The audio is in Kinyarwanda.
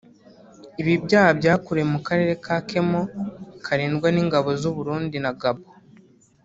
Ibi byaha byakorewe mu karere ka Kemo karindwa n’ingabo z’u Burundi na Gabon